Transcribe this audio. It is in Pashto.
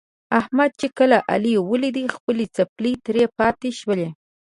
احمد چې کله علي ولید خپلې څپلۍ ترې پاتې شولې.